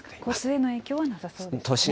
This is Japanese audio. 交通への影響はなさそうですね。